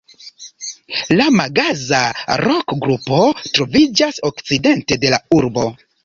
La Magaza-rokgrupo troviĝas okcidente de la urbo.